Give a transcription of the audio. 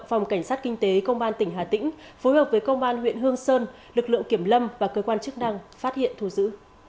phòng cảnh sát kinh tế công an tỉnh hà tĩnh phối hợp với công an huyện hương sơn lực lượng kiểm lâm và cơ quan chức năng phát hiện thu giữ